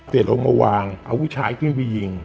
เสร็จออกมาวางเอาผู้ชายขึ้นไปยิง